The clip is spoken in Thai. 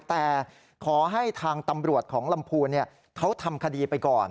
แต่ขอให้ทางตำรวจของลำพูนเขาทำคดีไปก่อน